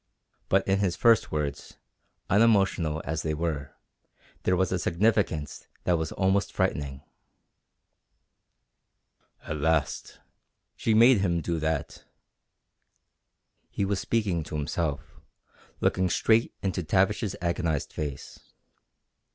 But in his first words, unemotional as they were, there was a significance that was almost frightening. "At last! She made him do that!" He was speaking to himself, looking straight into Tavish's agonized face.